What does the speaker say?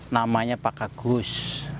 namanya pak agus